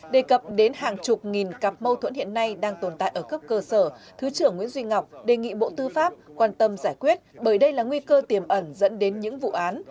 đề cập đến hàng chục nghìn cặp mâu thuẫn hiện nay đang tồn tại ở cấp cơ sở thứ trưởng nguyễn duy ngọc đề nghị bộ tư pháp quan tâm giải quyết bởi đây là nguy cơ tiềm ẩn dẫn đến những vụ án